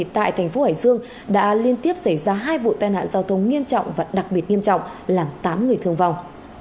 tại thành phố hải dương đã liên tiếp xảy ra hai vụ tai nạn giao thông nghiêm trọng và đặc biệt nghiêm trọng làm tám người thương vong